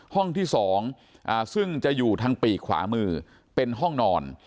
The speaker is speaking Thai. ห้องที่๒ซึ่งจะอยู่ทางปีกขวามือเป็นห้องนอน